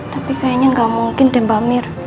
tapi kayaknya nggak mungkin deh mbak mir